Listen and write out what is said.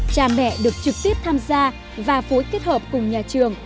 cha mẹ được trực tiếp tham gia và phối kết hợp cùng nhà trường